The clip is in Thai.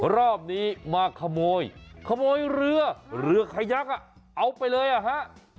รอบนี้มาขโมยขโมยเรือเรือขยักอ่ะเอาไปเลยอ่ะฮะ